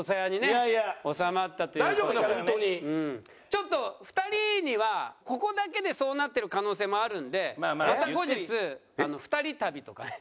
ちょっと２人にはここだけでそうなってる可能性もあるんでまた後日２人旅とかね